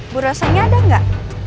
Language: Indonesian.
bu rosanya ada gak